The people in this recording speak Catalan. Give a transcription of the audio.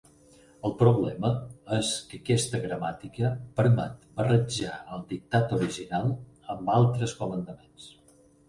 El problema és que aquesta gramàtica permet barrejar el dictat original amb altres comandaments.